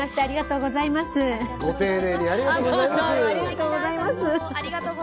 ご丁寧にありがとうございます。